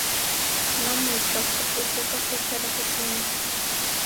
No mucho, porque usted cosecha lo que siembra.